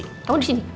kamu di sini